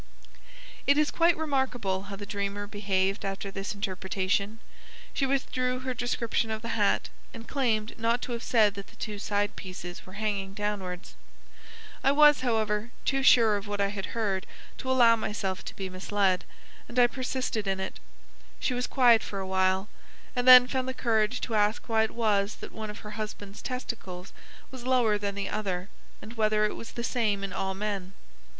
It is quite remarkable how the dreamer behaved after this interpretation. She withdrew her description of the hat, and claimed not to have said that the two side pieces were hanging downwards. I was, however, too sure of what I had heard to allow myself to be misled, and I persisted in it. She was quiet for a while, and then found the courage to ask why it was that one of her husband's testicles was lower than the other, and whether it was the same in all men.